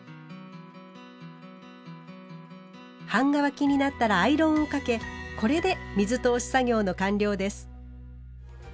半乾きになったらアイロンをかけこれで水通し作業の完了です。